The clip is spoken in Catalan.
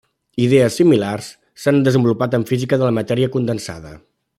Idees similars s'han desenvolupat en física de la matèria condensada.